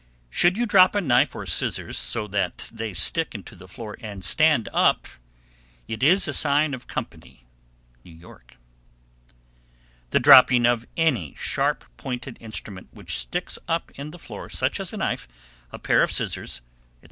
Should you drop a knife or scissors so that they stick into the floor and stand up, it is a sign of company. New York. 758. The dropping of any sharp pointed instrument which sticks up in the floor, such as a knife, a pair of scissors, etc.